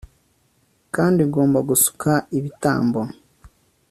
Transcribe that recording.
Kandi ugomba gusuka ibitambo